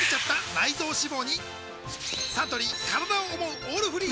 サントリー「からだを想うオールフリー」